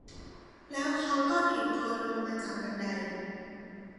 แล้วเขาก็ดีดตัวลงมาจากบันได